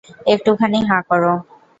একটুখানি হা কর।